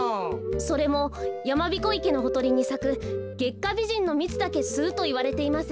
それもやまびこ池のほとりにさくゲッカビジンのみつだけすうといわれています。